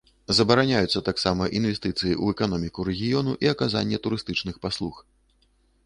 Забараняюцца таксама інвестыцыі ў эканоміку рэгіёну і аказанне турыстычных паслуг.